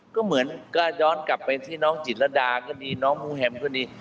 ก็เหมือนก็ย้อนกลับไปที่น้องจิตรดาก็ดีน้องมูแฮมก็ดี